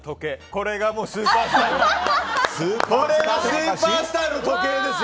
これが、スーパースターです。